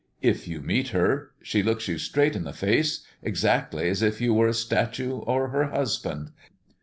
If you meet her, she looks you straight in the face, exactly as if you were a statue or her husband.